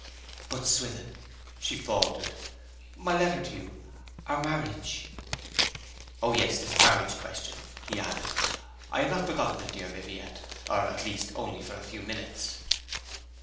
'But Swithin!' she faltered; 'my letter to you our marriage!' 'O yes, this marriage question,' he added. 'I had not forgotten it, dear Viviette or at least only for a few minutes.'